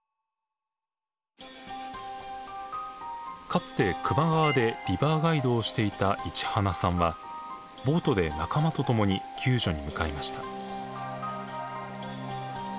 かつて球磨川でリバーガイドをしていた市花さんはボートで仲間と共に救助に向かいました。